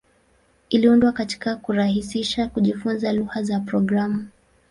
Iliundwa ili kurahisisha kujifunza lugha za programu.